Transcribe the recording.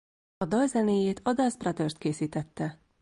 A dal zenéjét a Dust Brothers készítette.